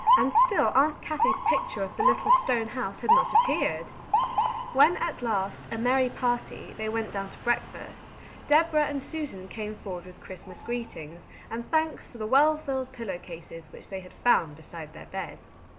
And still Aunt Kathie's picture of the little stone house had not appeared ! When at last, a merry party, they went down to breakfast, Deborah and Susan came forward with Christmas greetings, and thanks for the well filled pillow cases which they had found beside their beds.